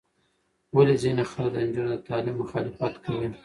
ولې ځینې خلک د نجونو د تعلیم مخالفت کوي؟